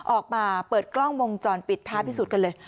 ออกมาเปิดกล้องวงจรปิดท้าพิสูจน์กันเลย